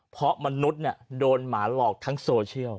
เพราะมนุษย์โดนหมาหลอกทั้งโซเชียล